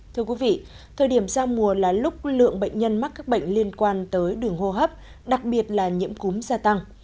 thưa quý vị thời điểm giao mùa là lúc lượng bệnh nhân mắc các bệnh liên quan tới đường hô hấp đặc biệt là nhiễm cúm gia tăng